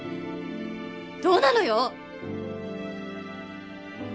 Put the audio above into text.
どうなのよ！？